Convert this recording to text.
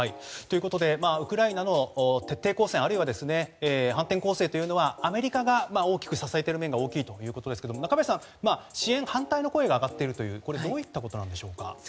ウクライナの徹底抗戦あるいは、反転攻勢というのはアメリカが大きく支えている面が大きいということですが中林さん、支援反対の声が上がっているといいますがこれはどういったことなんでしょうか？